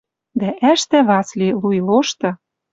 Дӓ ӓштӓ Васли, лу и лошты